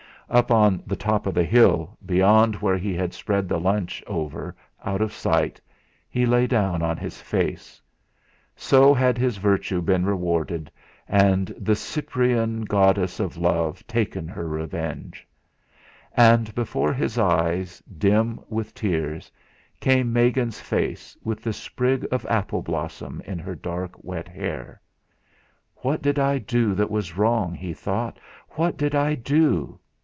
Up on the top of the hill, beyond where he had spread the lunch, over, out of sight, he lay down on his face. So had his virtue been rewarded, and "the Cyprian," goddess of love, taken her revenge! And before his eyes, dim with tears, came Megan's face with the sprig of apple blossom in her dark, wet hair. 'What did I do that was wrong?' he thought. 'What did I do?'